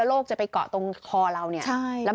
โดนโรงคนไทยใส่หน้ากากอนามัยป้องกันโควิด๑๙กันอีกแล้วค่ะ